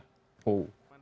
taman safari bogor